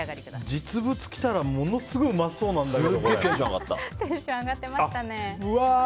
実物来たらものすごくうまそうなんだけど。